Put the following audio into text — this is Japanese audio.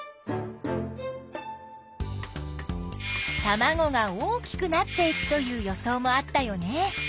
たまごが大きくなっていくという予想もあったよね。